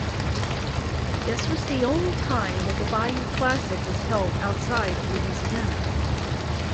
This was the only time that the Bayou Classic was held outside of Louisiana.